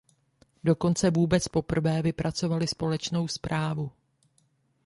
Dokonce vůbec poprvé vypracovali společnou zprávu.